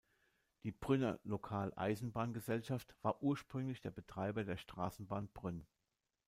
Die "Brünner Local-Eisenbahn-Gesellschaft" war ursprünglich der Betreiber der Straßenbahn Brünn.